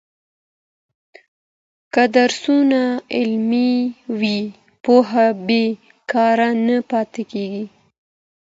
که درسونه عملي وي، پوهه بې کاره نه پاته کېږي.